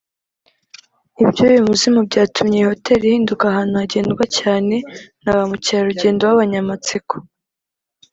Iby’uyu muzimu byatumye iyi hotel ihinduka ahantu hagendwa cyane na ba mukerarugendo b’abanyamatsiko